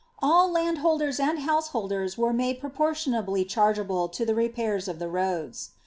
All landholdera and bonseholdeis wen made proportionably chargeable to the repairs of roads.